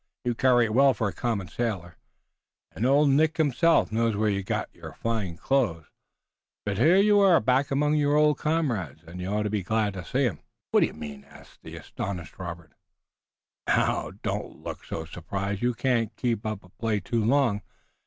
You carry it well for a common sailor, and old Nick himself knows where you got your fine clothes, but here you are back among your old comrades, and you ought to be glad to see 'em." "What do you mean?" asked the astonished Robert. "Now, don't look so surprised. You can keep up a play too long.